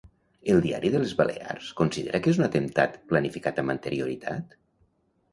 El Diari de les Balears considera que és un atemptat planificat amb anterioritat?